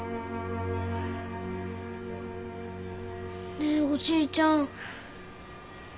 ねえおじいちゃん。